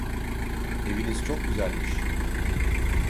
Eviniz çok güzelmiş.